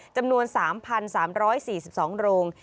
จำนวน๓๓๔๒โรง